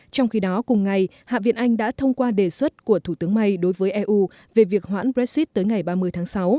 trong khi đó cùng ngày hạ viện anh đã thông qua đề xuất của thủ tướng may đối với eu về việc hoãn brexit tới ngày ba mươi tháng sáu